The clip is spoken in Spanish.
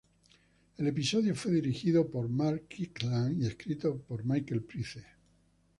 El episodio fue dirigido por Mark Kirkland y escrito por Michael Price.